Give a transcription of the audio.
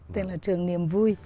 tên là trường niềm vui